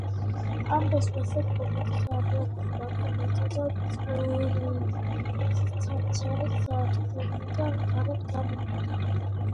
ამ დროს მეზობლის თხა ფეხების ბაკუნითა და წვერის ცანცარით სადგომიდან გარეთ გამოვიდა.